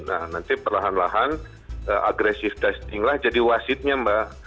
nah nanti perlahan lahan agresif testinglah jadi wasitnya mbak